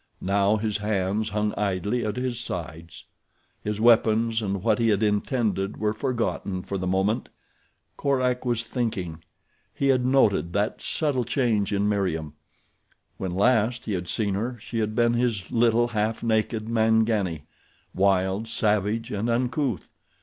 Now his hands hung idly at his sides. His weapons and what he had intended were forgotten for the moment. Korak was thinking. He had noted that subtle change in Meriem. When last he had seen her she had been his little, half naked Mangani—wild, savage, and uncouth.